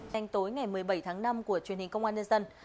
đến tối ngày một mươi bảy tháng năm của truyền hình công an nhân dân